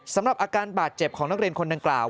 สำหรับอาการบาดเจ็บของนักเรียนคนดังกล่าว